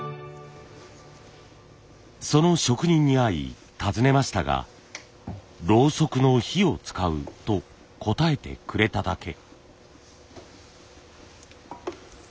その職人に会い尋ねましたが「ろうそくの火を使う」と答えてくれただけ。